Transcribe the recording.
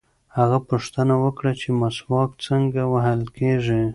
هغه پوښتنه وکړه چې مسواک څنګه وهل کېږي.